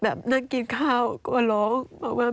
แบบนั่งกินข้าวก็ร้องบอกว่า